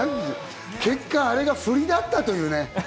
結果、あれがふりだったというね。